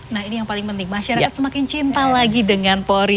nah ini yang paling penting masyarakat semakin cinta lagi dengan polri